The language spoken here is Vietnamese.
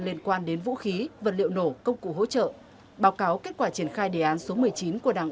liên quan đến vũ khí vật liệu nổ công cụ hỗ trợ báo cáo kết quả triển khai đề án số một mươi chín của đảng